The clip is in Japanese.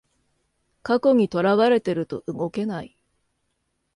過去にとらわれてると動けない